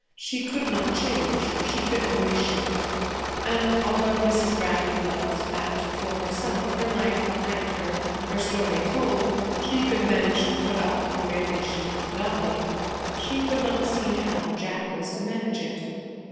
She could not change, she could only shift; and although Mrs. Bradley felt that for herself, her life behind her, her story told, she could manage to put up with a merely shifted Dollie, she could not see how Jack was to manage it.